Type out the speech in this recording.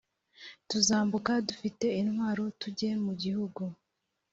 tuzambuka dufite intwaro tujye mu gihugu